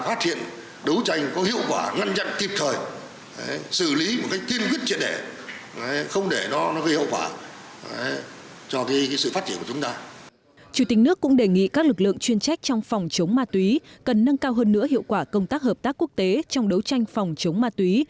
chủ tịch nước trần đại quang cũng đề nghị các lực lượng chuyên trách trong phòng chống ma túy